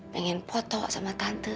pengen poto sama tante